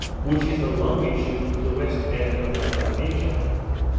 which is the longitude of the west end of La Dominica.